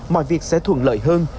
mọi việc sẽ thuận lợi hơn